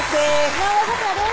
井上咲楽です